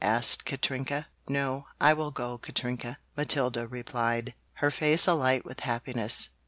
asked Katrinka. "No, I will go, Katrinka!" Matilda replied, her face alight with happiness.